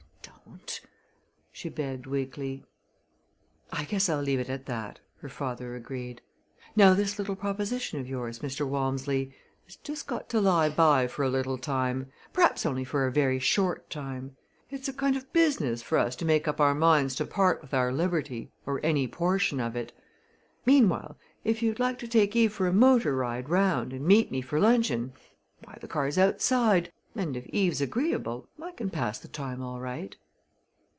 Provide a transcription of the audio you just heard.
"Don't!" she begged weakly. "I guess I'll leave it at that," her father agreed. "Now this little proposition of yours, Mr. Walmsley, has just got to lie by for a little time perhaps only for a very short time. It's a kind of business for us to make up our minds to part with our liberty or any portion of it. Meanwhile, if you'd like to take Eve for a motor ride round and meet me for luncheon, why, the car's outside, and if Eve's agreeable I can pass the time all right."